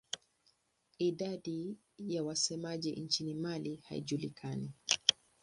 Idadi ya wasemaji nchini Mali haijulikani.